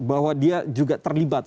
bahwa dia juga terlibat